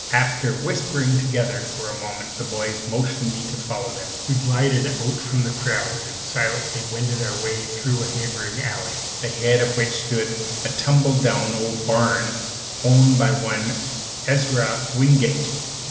After whispering together for a moment the boys motioned me to follow them. We glided out from the crowd and silently wended our way through a neighboring alley, at the head of which stood a tumble down old barn, owned by one Ezra Wingate.